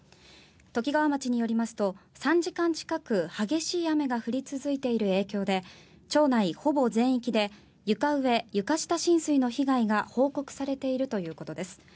ときがわ町によりますと３時間近く激しい雨が降り続いている影響で町内ほぼ全域で床上・床下浸水の被害が報告されているということです。